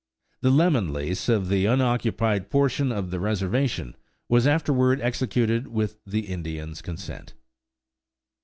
The Lemmon lease of the unoccupied portion of the reservation was afterward executed with the Indians' consent.